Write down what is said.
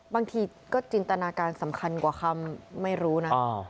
บางทีก็จินตนาการสำคัญกว่าคำไม่รู้นะ